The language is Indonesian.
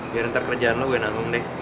biar ntar kerjaan lo gue nanggung deh ya